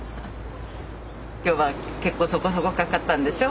今日は結構そこそこかかったんでしょ？